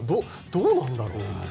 どうなんだろう。